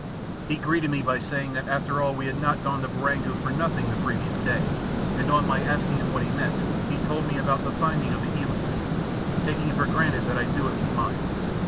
He greeted me by saying that after all we had not gone to Baringo for nothing the previous day, and on my asking him what he meant he told me about the finding of the eland, taking, it for granted that I knew it was mine.